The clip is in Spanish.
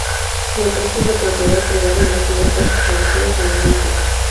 La empresa es de propiedad privada y no tiene socios financieros de ningún tipo.